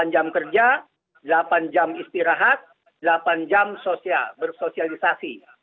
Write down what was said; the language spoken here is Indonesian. delapan jam kerja delapan jam istirahat delapan jam bersosialisasi